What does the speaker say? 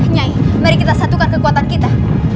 nyai mari kita satukan kekuatan kita